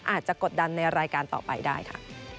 อาจจะกดดันในรายการต่อไปได้ค่ะ